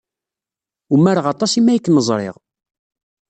Umareɣ aṭas imi ay kem-ẓriɣ.